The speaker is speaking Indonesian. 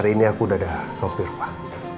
jadi aku udah ada sopir pak